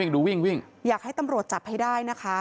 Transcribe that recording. ดูวิ่งวิ่งอยากให้ตำรวจจับให้ได้นะคะ